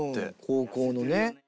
高校のね。